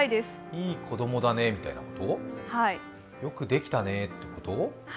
いい子供だね、みたいなことよくできたねってこと？